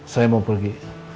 saya mau pergi